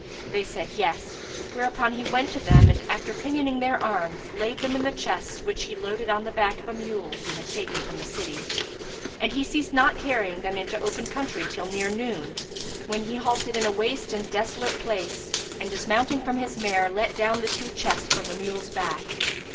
They said, "Yes"; whereupon he went up to them and, after pinioning their arms, laid them in the chests which he loaded on the back of a mule he had taken from the city. And he ceased not carrying them into the open country till near noon, when he halted in a waste and desolate place and, dismounting from his mare, let down the two chests from the mule's back.